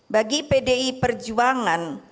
bagi pdi perjuangan